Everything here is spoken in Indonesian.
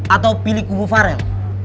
atau pilih kubu farel